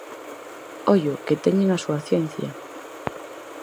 Ollo, que teñen a súa ciencia.